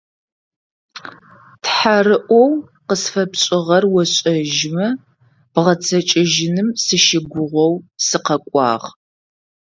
Тхьэрыӏоу къысфэпшӏыгъэр ошӏэжьымэ, бгъэцэкӏэжьыным сыщыгугъэу сыкъэкӏуагъ.